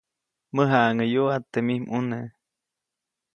Mäjaʼaŋʼäyuʼa teʼ mij ʼmuneʼ.